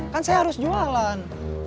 kan saya harus jualan